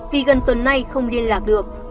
vì gần tuần nay không liên lạc được